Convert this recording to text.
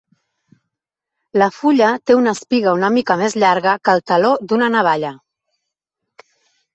La fulla té una espiga una mica més llarga que el taló d'una navalla.